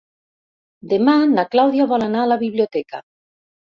Demà na Clàudia vol anar a la biblioteca.